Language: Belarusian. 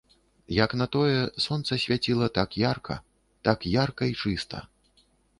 Як на тое, сонца свяціла так ярка, так ярка і чыста.